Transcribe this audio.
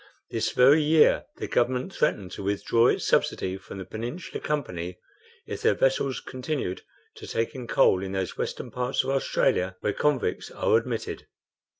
This very year the Government threatened to withdraw its subsidy from the Peninsular Company if their vessels continued to take in coal in those western parts of Australia where convicts are admitted.